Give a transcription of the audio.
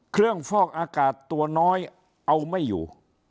เครื่องฟอกอากาศตัวน้อยเอาไม่อยู่